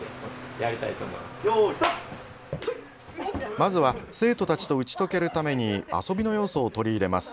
まずは生徒たちと打ち解けるために遊びの要素を取り入れます。